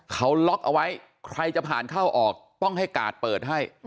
เขาล็อกเอาไว้ใครจะผ่านเข้าออกต้องให้กาดเปิดให้